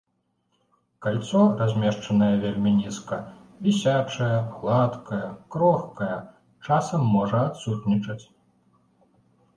Кальцо, размешчанае вельмі нізка, вісячае, гладкае, крохкае, часам можа адсутнічаць.